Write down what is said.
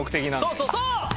そうそうそう！